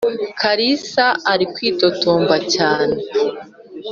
kalisa arikwitotomba cyane.